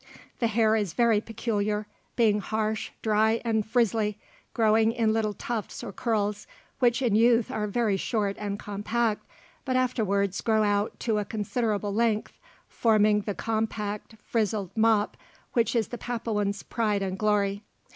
The hair is very peculiar, being harsh, dry, and frizzly, growing in little tufts or curls, which in youth are very short and compact, but afterwards grow out to a considerable length, forming the compact frizzled mop which is the Papuans' pride and glory.